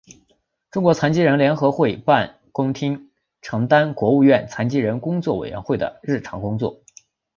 中国残疾人联合会办公厅承担国务院残疾人工作委员会的日常工作。